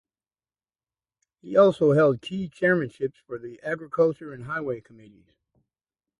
He also held key chairmanships for the agriculture and highway committees.